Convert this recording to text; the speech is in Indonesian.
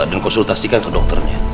dan konsultasikan ke dokternya